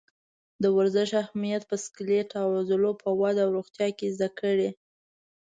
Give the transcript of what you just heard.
د ورزش اهمیت په سکلیټ او عضلو په وده او روغتیا کې زده کړئ.